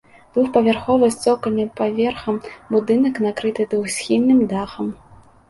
Двухпавярховы з цокальным паверхам будынак накрыты двухсхільным дахам.